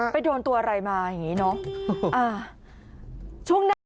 ไปโดนตัวอะไรมาอย่างนี้เนาะ